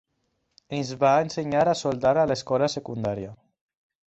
Ens van ensenyar a soldar a l'escola secundària.